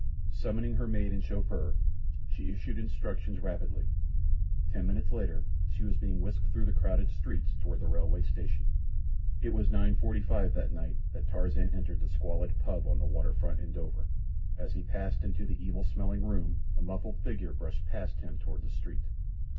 Summoning her maid and chauffeur, she issued instructions rapidly. Ten minutes later she was being whisked through the crowded streets toward the railway station. It was nine forty five that night that Tarzan entered the squalid "pub" on the water front in Dover. As he passed into the evil smelling room a muffled figure brushed past him toward the street.